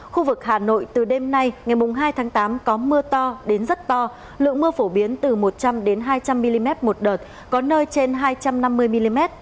khu vực hà nội từ đêm nay ngày hai tháng tám có mưa to đến rất to lượng mưa phổ biến từ một trăm linh hai trăm linh mm một đợt có nơi trên hai trăm năm mươi mm